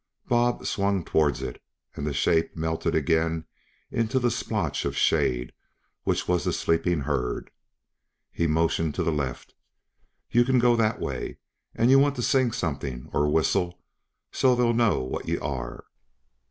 Bob swung towards it, and the shape melted again into the splotch of shade which was the sleeping herd. He motioned to the left. "Yuh can go that way; and yuh want to sing something, or whistle, so they'll know what yuh are."